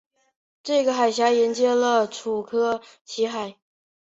这个海峡连接了楚科奇海。